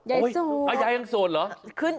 ยายโสดยายยังโสดเหรอ